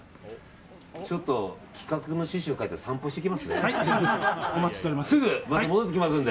ちょっと企画の趣旨を変えて散歩してきますね。